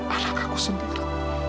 anak aku sendiri